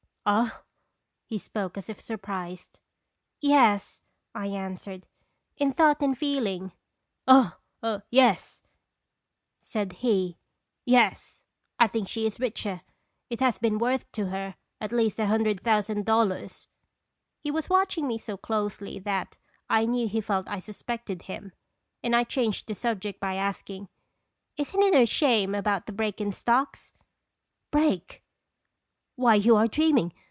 " Ah?" He spoke as if surprised. "Yes," 1 answered; "in thought and feeling." " Oh yes," said he; " yes, I think she is richer. It has been worth to her at least a hundred thousand dollars." He was watching me so closely that I knew he felt I suspected him, and 1 changed the subject by asking: " Isn't it a shame about the break in stocks?" "Break! Why, you are dreaming.